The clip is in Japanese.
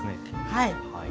はい。